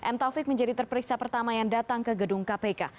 m taufik menjadi terperiksa pertama yang datang ke gedung kpk